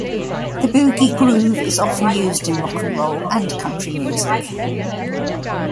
The boogie groove is often used in rock and roll and country music.